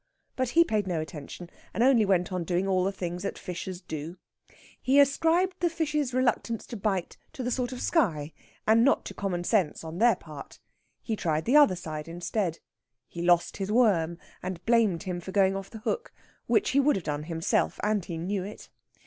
But he paid no attention, and only went on doing all the things that fishers do. He ascribed the fishes' reluctance to bite to the sort of sky, and not to common sense on their part. He tried the other side instead. He lost his worm, and blamed him for going off the hook which he would have done himself, and he knew it!